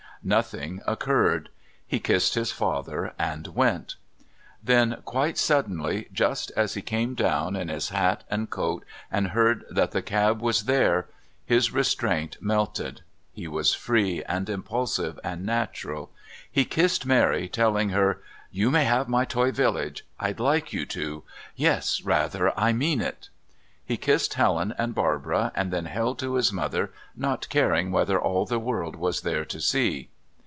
Nothing occurred. He kissed his father and went. Then, quite suddenly, just as he came down in his hat and coat and heard that the cab was there, his restraint melted; he was free and impulsive and natural. He kissed Mary, telling her: "You may have my toy village. I'd like you to Yes, rather. I mean it." He kissed Helen and Barbara, and then held to his mother, not caring whether all the world was there to see.